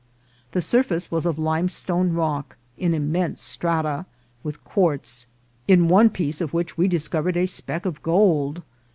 The surface was of limestone rock, in immense strata, with quartz, in one piece of which we discovered a speck of gold.